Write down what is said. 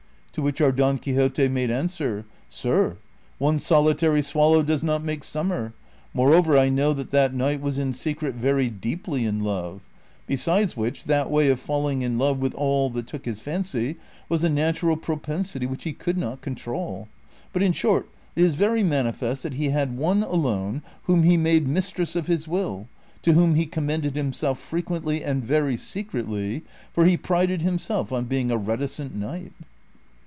To which our Don Quixote made answer, '■'■ Sir, one solitary swallow does not make summer ;' moreover, I know that that knight Avas in secret very deeply in love ; besides which, that way of falling in love with all that took his fancy was a nat ural propensity which he could not control. But, in short, it is ver}^ manifest that he had one alone whom he made mis tress of his will, to whom he commended himself frequently and very secretly, for he prided himself on being a reticent knight."